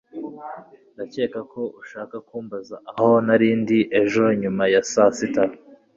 Ndakeka ko ushaka kumbaza aho nari ndi ejo nyuma ya saa sita